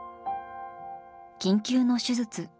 緊急の手術。